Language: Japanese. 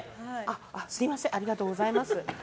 すみませんありがとうございます。